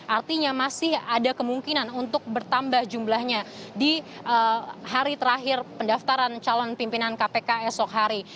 artinya masih ada kemungkinan untuk bertambah jumlahnya di hari terakhir pendaftaran calon pimpinan kpk esok hari